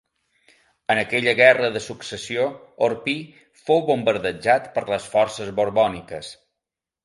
En aquella guerra de Successió Orpí fou bombardejat per les forces borbòniques.